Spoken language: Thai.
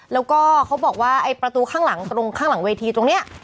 แล้วก็เขาบอกว่าไอ้ประตูข้างหลังตรงข้างหลังเวทีตรงนี้